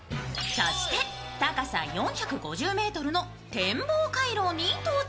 そして高さ４５０ｍの天望回廊に到着。